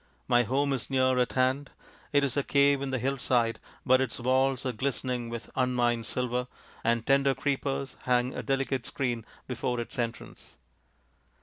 My home is near at hand. It is a cave in the hillside, but its walls are glistening with unmined silver, and tender creepers hang a delicate screen before its entrance.